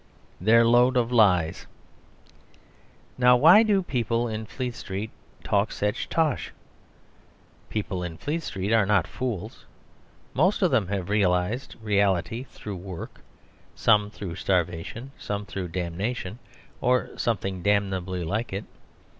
Their Load of Lies Now, why do people in Fleet street talk such tosh? People in Fleet street are not fools. Most of them have realised reality through work; some through starvation; some through damnation, or something damnably like it.